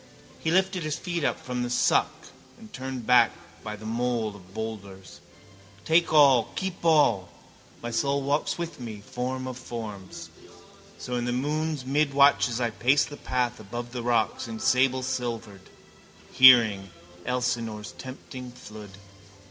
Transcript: He lifted his feet up from the suck and turned back by the mole of boulders. Take all, keep all. My soul walks with me, form of forms. So in the moon's midwatches I pace the path above the rocks, in sable silvered, hearing Elsinore's tempting flood.